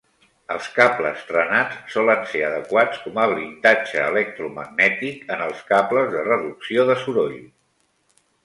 Els cables trenats solen ser adequats com a blindatge electromagnètic en els cables de reducció de soroll.